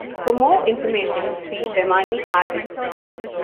For more information, see Bemani artists.